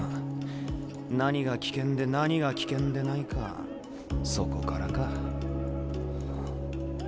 何が危険で何が危険でないかそこからか。